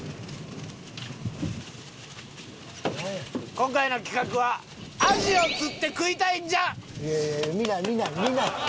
今回の企画はいやいや見ない見ない見ない。